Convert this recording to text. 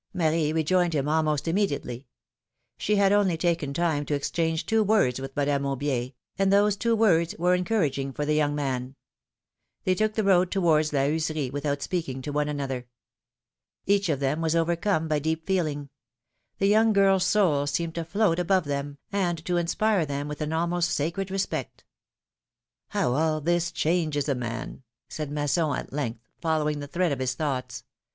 Marie rejoined him almost imme diately; she had only taken time to exchange two words with Madame Aflbier, and those two words were encour aging for the young man. They took the road towards La Heuserie without speaking to one another. Each of them was overcome by deep feeling — the young girFs soul seemed to float above them, and to inspire them with an almost sacred respect. How all this changes a man ! said Masson, at length, following the thread of his thoughts.